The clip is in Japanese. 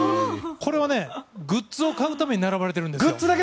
これは、グッズを買うために並ばれているんです。